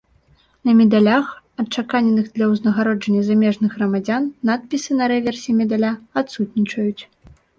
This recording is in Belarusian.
На медалях, адчаканеных для ўзнагароджання замежных грамадзян, надпісы на рэверсе медаля адсутнічаюць.